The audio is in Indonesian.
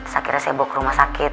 sakitnya saya bawa ke rumah sakit